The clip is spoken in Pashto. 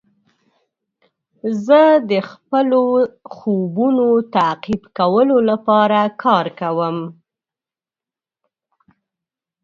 زه د خپلو خوبونو تعقیب کولو لپاره کار کوم.